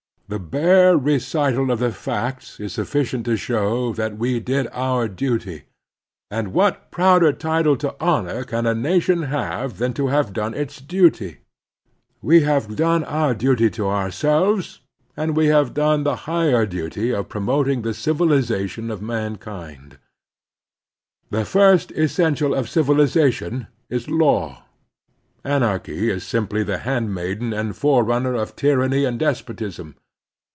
The bare recital of the facts is sufficient to show that we did our 278 The Strenuous Life duty; and what prouder title to honor can a nation have than to have done its duty ? We have done our duty to ourselves, and we have done the higher duty of promoting the civilization of man kind. The first essential of civiUzation is law. Anarchy is simply the handmaiden and fore runner of tyranny and despotism.